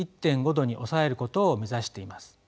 ℃に抑えることを目指しています。